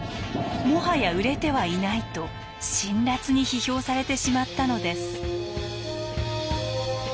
「もはや売れてはいない」と辛辣に批評されてしまったのです。